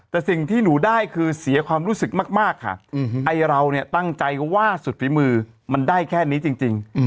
แต่สิ่งที่หนูได้คือเสียความรู้สึกมากค่ะไอเราเนี่ยตั้งใจว่าสุดฝีมือมันได้แค่นี้จริง